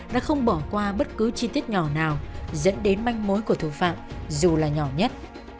đã không bỏ qua bất cứ chi tiết nhỏ nào dẫn đến manh mối của thủ phạm dù là nhỏ nhất